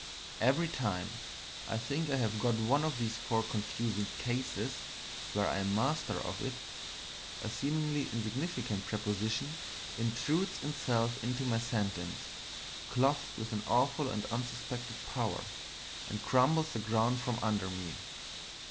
Every time I think I have got one of these four confusing "cases" where I am master of it, a seemingly insignificant preposition intrudes itself into my sentence, clothed with an awful and unsuspected power, and crumbles the ground from under me.